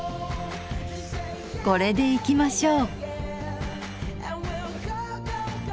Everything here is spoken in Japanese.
これでいきましょう。